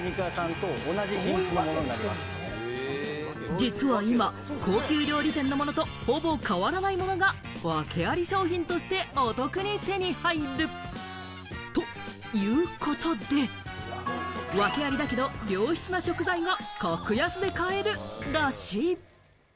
実は今、高級料理店のものとほぼ変わらないものが訳アリ商品として、お得に手に入る！ということで、訳アリだけれど、良質な食材が格安で買えるらしい。